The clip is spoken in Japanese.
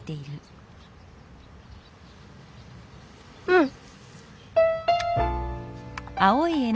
うん。